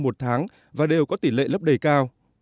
một tháng và đều có tỷ lệ lớp đầy cao